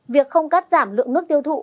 việc không cắt giảm lượng nước tiêu thụ